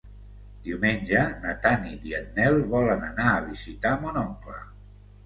Diumenge na Tanit i en Nel volen anar a visitar mon oncle.